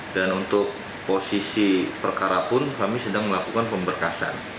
dan untuk posisi perkara pun kami sedang melakukan pemberkasan